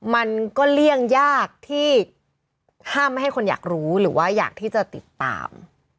มันก็เลี่ยงยากที่ห้ามไม่ให้คนอยากรู้หรือว่าอยากที่จะติดตาม